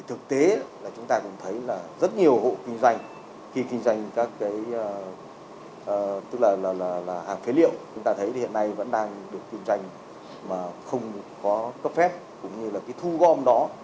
thực tế là chúng ta cũng thấy là rất nhiều hộ kinh doanh khi kinh doanh các cái tức là hàng phế liệu chúng ta thấy thì hiện nay vẫn đang được kinh doanh mà không có cấp phép cũng như là cái thu gom đó